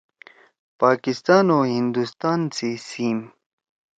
پاکستان او ہندوستان سی سیِم۔